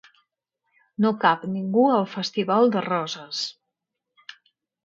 No cap ningú al festival de Roses.